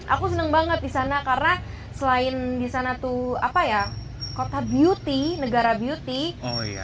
aku seneng banget disana karena selain disana tuh apa ya kota beauty negara beauty